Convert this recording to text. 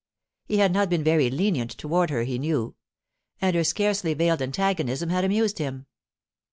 He had not been very lenient toward her, he knew; and her scarcely veiled antagonism had amused him.